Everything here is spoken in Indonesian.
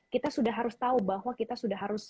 kita sudah harus tahu bahwa kita sudah harus